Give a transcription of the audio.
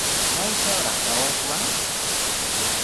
¿Maytrawraq kawashwan?